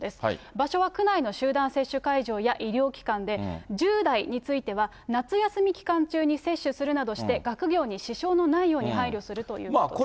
場所は区内の集団接種会場や、医療機関で、１０代については、夏休み期間中に接種するなどして、学業に支障の内容に配慮するということです。